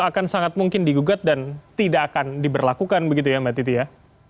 akan sangat mungkin digugat dan tidak akan diberlakukan begitu ya mbak titi ya